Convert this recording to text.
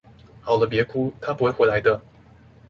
好了別哭，他不會回來的